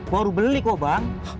baru beli kok bang